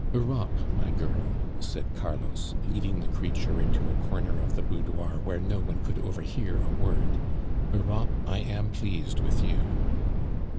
"Europe, my girl," said Carlos, leading the creature into a corner of the boudoir where no one could overhear a word, "Europe, I am pleased with you."